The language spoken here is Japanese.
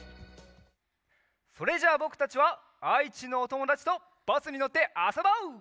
それじゃぼくたちはあいちのおともだちとバスにのってあそぼう！